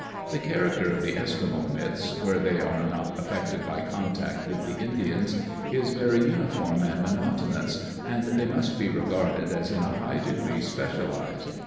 The character of the Eskimo myths where they are not affected by contact with the Indians is very uniform and monot onous and they must be regarded as in a high degree specialized.